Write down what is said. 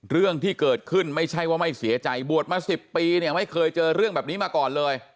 เรื่องที่เกิดขึ้นไม่ใช่ว่าไม่เสียใจบวชมา๑๐ปีเนี่ยไม่เคยเจอเรื่องแบบนี้มาก่อนเลย